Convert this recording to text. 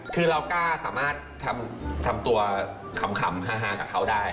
คือเรากล้าสามารถทำตัวขำฮากับเขาได้